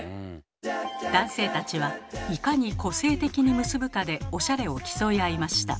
男性たちはいかに個性的に結ぶかでおしゃれを競い合いました。